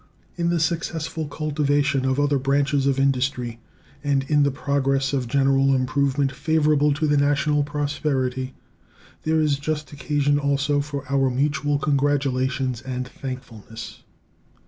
In the successful cultivation of other branches of industry, and in the progress of general improvement favorable to the national prosperity, there is just occasion also for our mutual congratulations and thankfulness.